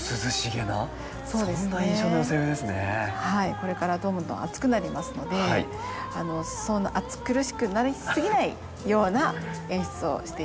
これからどんどん暑くなりますのでそんな暑苦しくなりすぎないような演出をしています。